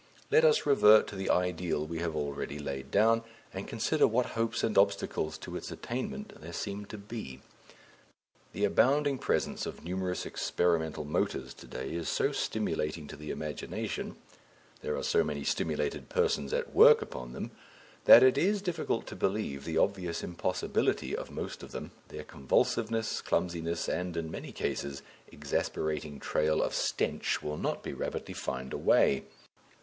Let us revert to the ideal we have already laid down, and consider what hopes and obstacles to its attainment there seem to be. The abounding presence of numerous experimental motors to day is so stimulating to the imagination, there are so many stimulated persons at work upon them, that it is difficult to believe the obvious impossibility of most of them their convulsiveness, clumsiness, and, in many cases, exasperating trail of stench will not be rapidly fined away.